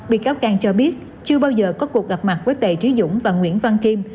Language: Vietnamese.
bị cáo cang cho biết chưa bao giờ có cuộc gặp mặt với tề trí dũng và nguyễn văn kim